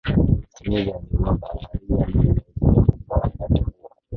smith alikuwa baharia mwenye uzoefu kwa wakati huo